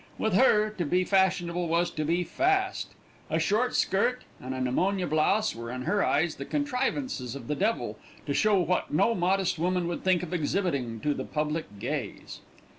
With her, to be fashionable was to be fast. A short skirt and a pneumonia blouse were in her eyes the contrivances of the devil to show what no modest woman would think of exhibiting to the public gaze.